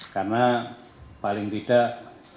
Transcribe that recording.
karena paling tidak